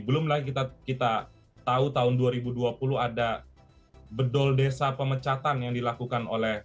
belum lagi kita tahu tahun dua ribu dua puluh ada bedol desa pemecatan yang dilakukan oleh